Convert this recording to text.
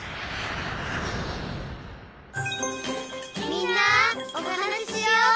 「みんなおはなししよう」